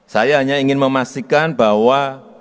saya hanya ingin memastikan bahwa